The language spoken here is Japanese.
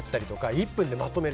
１分でまとめる。